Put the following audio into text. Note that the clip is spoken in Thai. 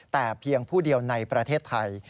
แต่เพียงผู้เดียวในประเทศไทย